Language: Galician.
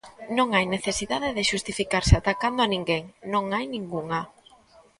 Non hai necesidade de xustificarse atacando a ninguén, non hai ningunha.